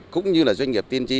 cũng như doanh nghiệp tiên tri